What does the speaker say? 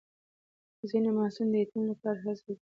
ځینې محصلین د ټیم لپاره هڅه کوي.